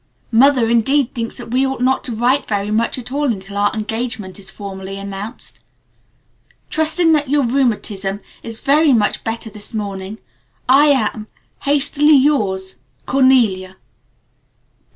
Mother indeed thinks that we ought not to write very much at all until our engagement is formally announced. "Trusting that your rheumatism is very much better this morning, I am "Hastily yours, "CORNELIA.